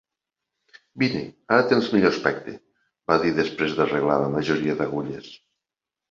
"Vine, ara tens millor aspecte!" va dir després d'arreglar la majoria d'agulles.